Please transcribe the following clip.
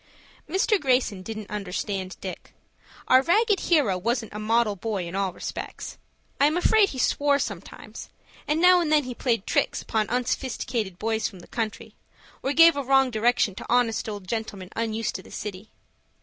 Mr. Greyson didn't understand Dick. Our ragged hero wasn't a model boy in all respects. I am afraid he swore sometimes, and now and then he played tricks upon unsophisticated boys from the country, or gave a wrong direction to honest old gentlemen unused to the city.